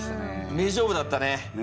名勝負だったね。